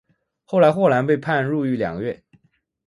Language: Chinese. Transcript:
后来霍兰被判入狱两个月。